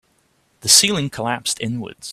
The ceiling collapsed inwards.